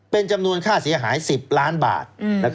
เป็นจำนวนค่าเสียหาย๑๐ล้านบาท